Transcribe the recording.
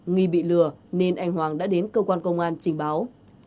nghi bị lừa nên anh hoàng đã đến cơ quan công an trình báo